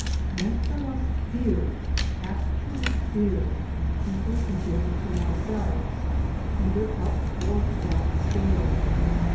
Most of us fear (actually fear) people who differ from ourselves, either up or down the scale.